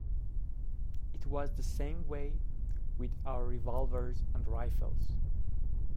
It was the same way with our revolvers and rifles.